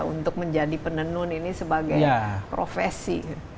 untuk menjadi penenun ini sebagai profesi